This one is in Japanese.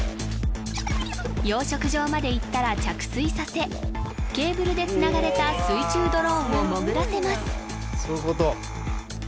養殖場まで行ったら着水させケーブルでつながれた水中ドローンを潜らせます